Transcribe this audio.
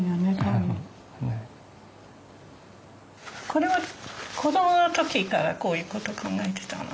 これは子どもの時からこういう事考えてたの？